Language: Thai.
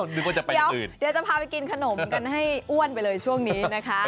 นึกว่าจะไปเดี๋ยวเดี๋ยวจะพาไปกินขนมกันให้อ้วนไปเลยช่วงนี้นะคะ